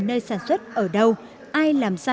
nơi sản xuất ở đâu ai làm ra